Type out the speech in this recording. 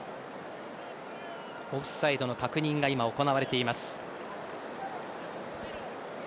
オフサイドの確認が今行われています。